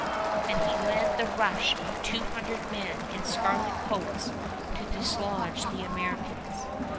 and he led the rush of two hundred men in scarlet coats to dislodge the Americans.